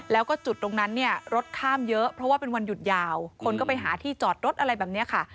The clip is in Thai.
แล้วก็จุดตรงนั้นเนี่ยรถข้ามเยอะเพราะว่าเป็นวันหยุดยาวคนก็ไปหาที่จอดรถอะไรแบบนี้ค่ะ